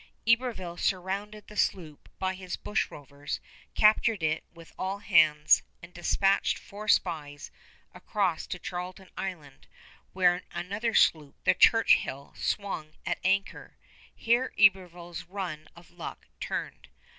Iberville surrounded the sloop by his bushrovers, captured it with all hands, and dispatched four spies across to Charlton Island, where another sloop, the Churchill, swung at anchor. Here Iberville's run of luck turned.